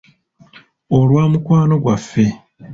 Olwa mukwano gwaffe.